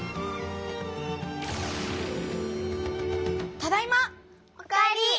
ただいま！お帰り！